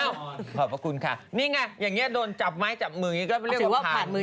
คุณแม่ค่ะอ้าวขอบคุณค่ะนี่ไงอย่างนี้โดนจับไม้จับมือก็เรียกเขาผ่านมือ